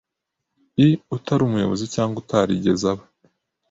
i utari umuyobozi cyangwa utarigeze aba